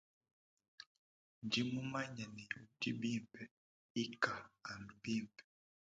Ndi mumanye ne udi bimpe ika anu bimpe.